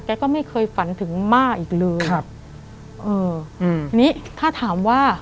ก็ไม่เคยฝันถึงม่าอีกเลยครับเอออืมนี่ถ้าถามว่า